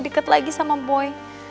deket lagi sama boy